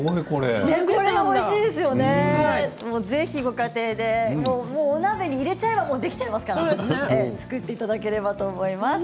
ぜひご家庭でお鍋に入れちゃえばできちゃいますから作っていただければと思います。